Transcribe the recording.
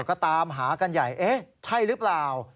ก็ตามหากันใหญ่เอ๊ะใช่หรือเปล่า